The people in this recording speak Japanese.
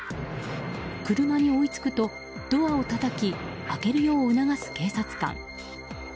車に追いつくと、ドアをたたき開けるよう促す警察官。